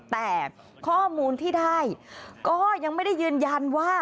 แต่ข้อมูลที่ได้ก็ยังไม่ได้ยืนยันว่า